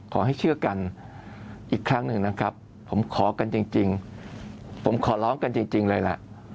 ขอให้เชื่อกันอีกครั้งหนึ่งนะครับผมขอกันจริงผมขอร้องกันจริงเลยล่ะ